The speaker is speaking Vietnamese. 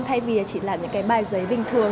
thay vì chỉ làm những bài giấy bình thường